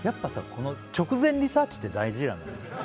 この直前リサーチって大事じゃない？